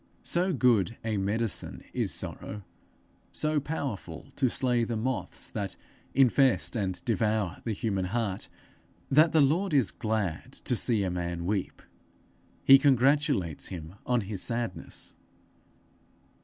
So good a medicine is sorrow, so powerful to slay the moths that infest and devour the human heart, that the Lord is glad to see a man weep. He congratulates him on his sadness.